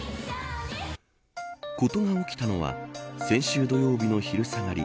事が起きたのは先週土曜日の昼下がり